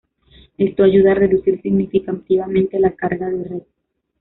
Esto ayuda a reducir significativamente la carga de red.